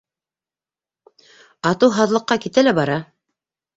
Ату һаҙлыҡҡа китә лә бара.